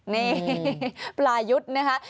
นี่ปลายุทธ์นะคะ